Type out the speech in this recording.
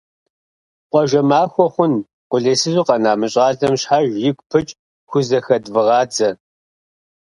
- Къуажэ махуэ хъун, къулейсызу къэна мы щӀалэм щхьэж игу пыкӀ хузэхэдвгъадзэ! –.